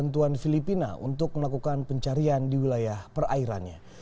tni mengundang kapal filipina untuk melakukan pencarian di wilayah perairannya